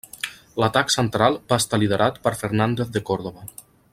L'atac central va estar liderat per Fernández de Córdoba.